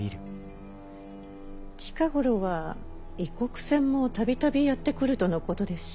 近頃は異国船も度々やって来るとのことですし。